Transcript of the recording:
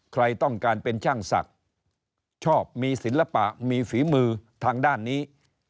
ใครต้องการเป็นช่างศักดิ์ชอบมีศิลปะมีฝีมือทางด้านนี้